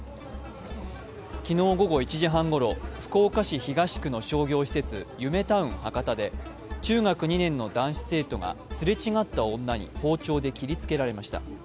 昨日午後１時半ごろ、福岡市東区の商業施設、ゆめタウン博多で中学２年の男子生徒がすれ違った女に包丁で切りつけられました。